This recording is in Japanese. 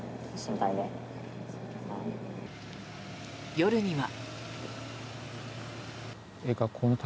夜には。